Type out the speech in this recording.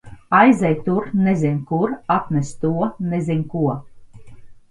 Aizej tur - nezin kur, atnes to - nezin ko.